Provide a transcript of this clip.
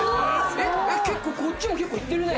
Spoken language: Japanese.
えっこっちも結構いってるね。